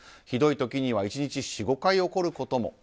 ひどい時には１日４５回起こることも。